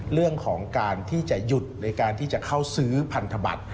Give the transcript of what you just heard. เรื่องของการที่จะหยุดในการที่จะเข้าซื้อพันธบัตร